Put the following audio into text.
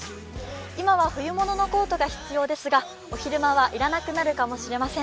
今は冬物のコートが必要ですが、昼間は要らなくなるかもしれません。